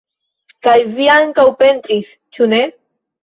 Kaj vi ankaŭ pentris, ĉu ne?